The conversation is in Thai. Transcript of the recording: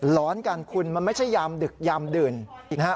ร้อนกันคุณมันไม่ใช่ยามดึกยามดื่นอีกนะฮะ